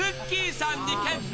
さんに決定。